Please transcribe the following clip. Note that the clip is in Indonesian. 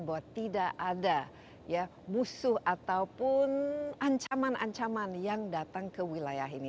bahwa tidak ada musuh ataupun ancaman ancaman yang datang ke wilayah ini